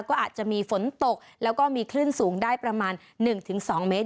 ก็อาจจะมีฝนตกแล้วก็มีคลื่นสูงได้ประมาณ๑๒เมตร